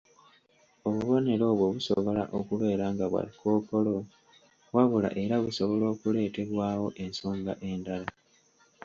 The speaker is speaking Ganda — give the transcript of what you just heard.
Obubonero obwo busobola okubeera nga bwa kookolo wabula era busobola n'okuleetebwawo ensonga endala